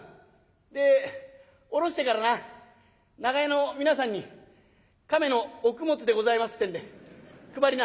で下ろしてからな長屋の皆さんに亀のお供物でございますってんで配りな」。